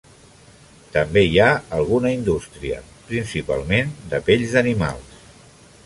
També hi ha alguna indústria, principalment de pells d'animals.